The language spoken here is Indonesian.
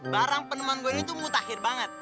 barang peneman gue ini tuh mutakhir banget